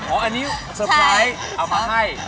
อ๋ออันนี้สเตอร์ไพร์เอามาให้